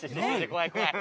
怖い怖い！